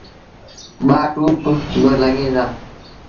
ٻآ ٽوُپ بالڳيٚن دآ۔